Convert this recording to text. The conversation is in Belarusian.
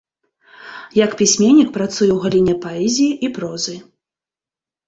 Як пісьменнік працуе ў галіне паэзіі і прозы.